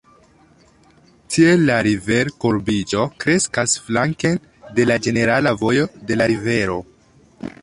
Tiel la river-kurbiĝo kreskas flanken de la ĝenerala vojo de la rivero.